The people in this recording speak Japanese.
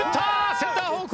センター方向。